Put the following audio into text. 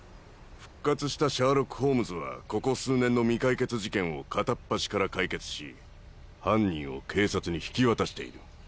復活したシャーロック・ホームズはここ数年の未解決事件を片っ端から解決し犯人を警察に引き渡している。